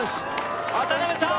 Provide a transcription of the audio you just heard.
渡邊さん